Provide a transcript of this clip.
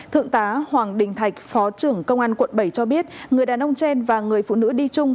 thượng tá hoàng đình thạch phó trưởng công an quận bảy cho biết người đàn ông trên và người phụ nữ đi chung